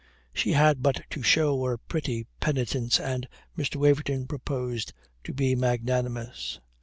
She had but to show a pretty penitence, and Mr. Waverton proposed to be magnanimous.